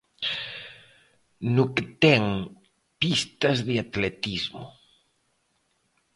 No que ten pistas de atletismo.